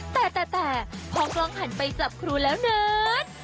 แต่แต่พอกล้องหันไปจับครูแล้วเนิด